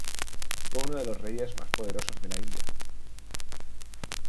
Fue uno de los reyes más poderosos de la India.